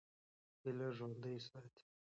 هیله ژوندۍ ساتئ.